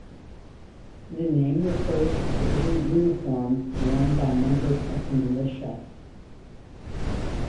The name refers to the blue uniform worn by members of the militia.